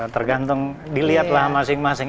tergantung dilihatlah masing masing